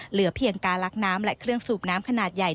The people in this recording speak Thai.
เหลือเพียงการลักน้ำและเครื่องสูบน้ำขนาดใหญ่